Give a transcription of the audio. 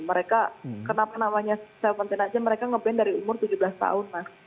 mereka kenapa namanya tujuh belas mereka nge ban dari umur tujuh belas tahun mas